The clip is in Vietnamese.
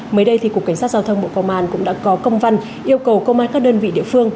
mới đây cục cảnh sát giao thông bộ công an cũng đã có công văn yêu cầu công an các đơn vị địa phương